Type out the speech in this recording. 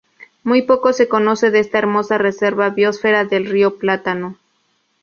Muy poco se conoce de esta hermosa reserva biosfera de río plátano.